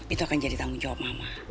itu akan jadi tanggung jawab mama